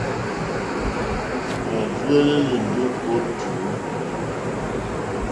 Hwá rzúwɛ̀lɛ̀lɛ̀ ndí ó tǔ.